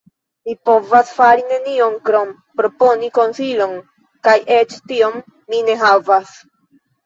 Mi povas fari nenion krom proponi konsilon, kaj eĉ tion mi ne havas.